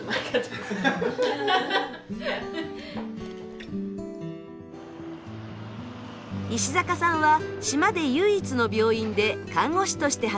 石坂さんは島で唯一の病院で看護師として働いています。